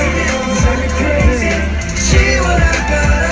เยี่ยมมาก